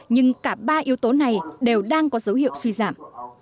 nhưng cả ba yếu tố này đều đang có dấu hiệu suy giảm